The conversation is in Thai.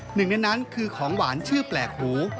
หนึ่งในนั้นคือของหวานชื่อแปลกหู